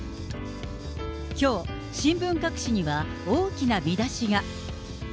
きょう、新聞各紙には大きな見出しが。